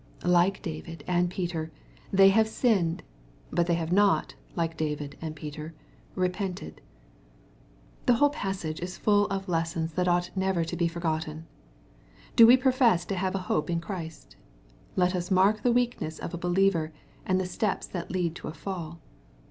Like David and Peter, they have sinned, but they have not, like David and Peter, repented. The whole passage is full of lessons that ought never to be forgotten. Do we profess to have a hope in Christ ? Let us mark the weakness of a believer, and the steps that lead to a fall.